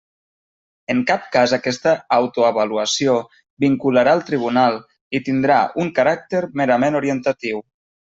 En cap cas aquesta autoavaluació vincularà el tribunal, i tindrà un caràcter merament orientatiu.